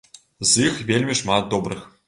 З іх вельмі шмат добрых.